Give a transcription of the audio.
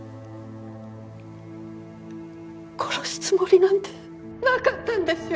殺すつもりなんてなかったんですよ